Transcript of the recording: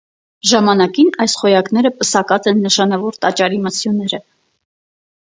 Ժամանակին այս խոյակները պսակած են նշանաւոր տաճարի մը սիւները։